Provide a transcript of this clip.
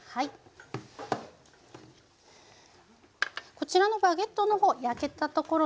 こちらのバゲットの方焼けたところにですね